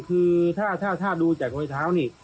คือรอยเท้าอันนี้ถ้าดูจากรอยเท้า